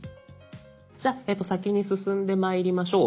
じゃあ先に進んでまいりましょう。